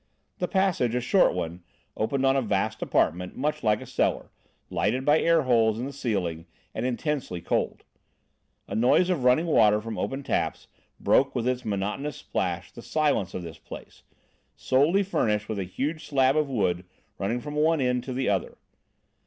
The passage, a short one, opened on a vast apartment, much like a cellar, lighted by air holes in the ceiling and intensely cold. A noise of running water from open taps broke with its monotonous splash the silence of this place, solely furnished with a huge slab of wood running from one end to the other.